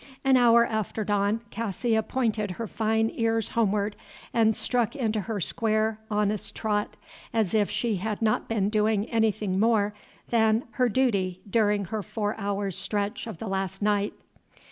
An hour after dawn, Cassia pointed her fine ears homeward, and struck into her square, honest trot, as if she had not been doing anything more than her duty during her four hours' stretch of the last night.